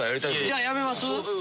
じゃあやめます？